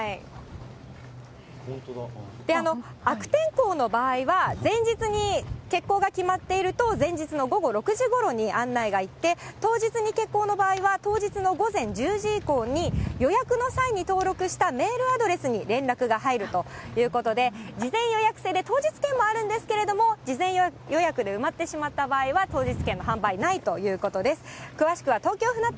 悪天候の場合は前日に欠航が決まっていると、前日の午後６時ごろに案内がいって、当日に欠航の場合は、当日の午前１０時以降に、予約の際に登録したメールアドレスに連絡が入るということで、事前予約制で、当日券もあるんですけれども、事前予約で埋まってしまった場合は当日券の販売ないということです。